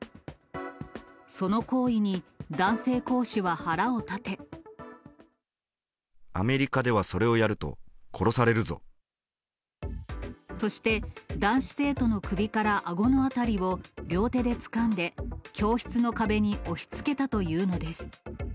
その行為に、アメリカではそれをやると、そして、男子生徒の首からあごのあたりを両手でつかんで、教室の壁に押しつけたというのです。